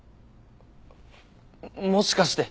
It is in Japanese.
もしかして！？